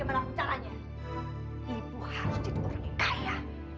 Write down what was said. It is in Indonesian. bagaimana caranya ibu harus jadi orang yang kaya